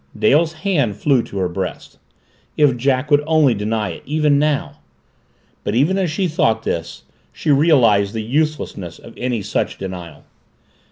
Dale's hand flew to her breast. If Jack would only deny it even now! But even as she thought this, she realized the uselessness of any such denial.